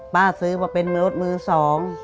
ซื้อมาเป็นรถมือสอง